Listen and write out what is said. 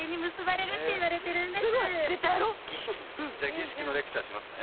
儀式のレクチャーしますね。